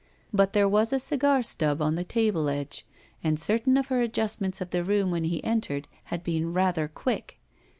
But there was a cigar stub on the table edge, and certain of her adjustments of the room when he entered had been rather quick.